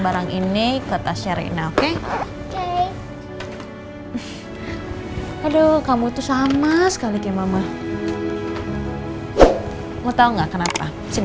biar mama kayak dongengin